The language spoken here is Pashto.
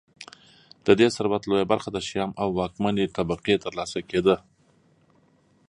د دې ثروت لویه برخه د شیام او واکمنې طبقې ترلاسه کېده